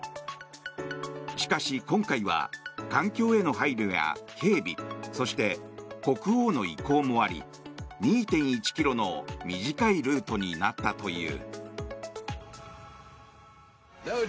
しかし、今回は環境への配慮や警備、そして国王の意向もあり２．１ｋｍの短いルートになったという。